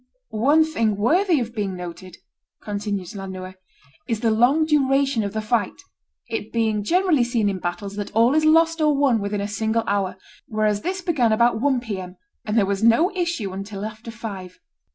... One thing worthy of being noted," continues La Noue, "is the long duration of the fight, it being generally seen in battles that all is lost or won within a single hour, whereas this began about one P. M., and there was no issue until after five.